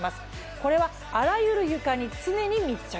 これはあらゆる床に常に密着。